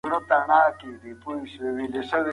هغې په ډېر ادب د پیسو له اخیستلو انکار وکړ.